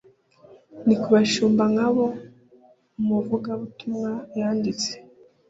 Ni kubashumba nkabo Umuvugabutumwa yanditse